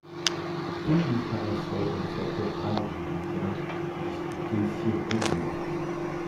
Tout disparaissait dans cette rage du gain disputé si rudement.